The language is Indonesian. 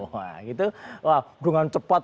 wah gitu lah dengan cepat